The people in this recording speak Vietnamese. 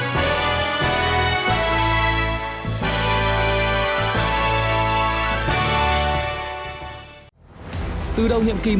thực tế từ đầu nhiệm kỳ đến nay cho thấy công tác phòng chống tham nhũng khi được thực hiện quyết liệt đã góp phần loại bỏ những phần từ thái hóa biến chất ra khỏi đảng